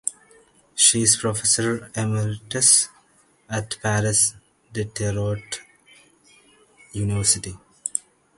She is professor emeritus at Paris Diderot University.